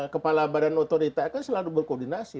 kepala badan otorita kan selalu berkoordinasi